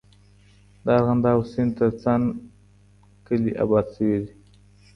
د ارغنداب سیند ترڅنګ کلي آباد سوي دي.